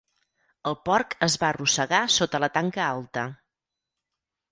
El porc es va arrossegar sota la tanca alta.